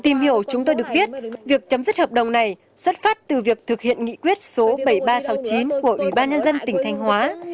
tìm hiểu chúng tôi được biết việc chấm dứt hợp đồng này xuất phát từ việc thực hiện nghị quyết số bảy nghìn ba trăm sáu mươi chín của ủy ban nhân dân tỉnh thanh hóa